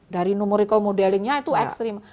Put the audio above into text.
dari numoricale modelingnya itu ekstrim